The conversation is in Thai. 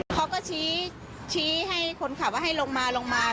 เขาก็ชี้ให้คนขับว่าให้ลงมาลงมา